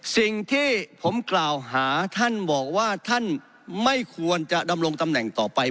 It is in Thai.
สิ่งที่ผมกล่าวหาท่านบอกว่าท่านไม่ควรจะดำรงตำแหน่งต่อไป